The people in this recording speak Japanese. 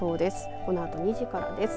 このあと２時からです。